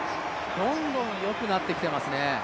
どんどんよくなってきていますね。